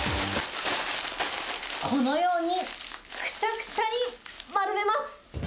このようにくしゃくしゃに丸めます。